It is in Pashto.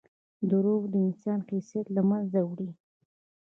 • دروغ د انسان حیثیت له منځه وړي.